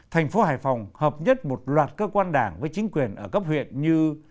thành phố hải phòng hợp nhất một loạt cơ quan đảng với chính quyền ở cấp huyện như